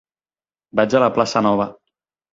Vaig a la plaça Nova.